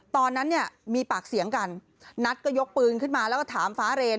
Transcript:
ตอนนั้นเนี่ยมีปากเสียงกันนัทก็ยกปืนขึ้นมาแล้วก็ถามฟ้าเรน